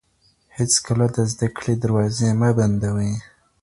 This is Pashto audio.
هېڅکله د زده کړې دروازې مه بندوئ.